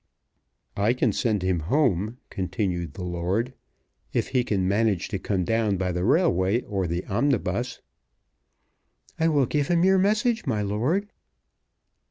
"I can send him home," continued the lord, "if he can manage to come down by the railway or the omnibus." "I will give him your message, my lord."